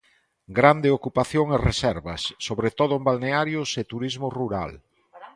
Grande ocupación e reservas, sobre todo en balnearios e turismo rural.